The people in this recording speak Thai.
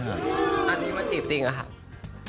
อันนี้มาจีบจริงเหรอคะ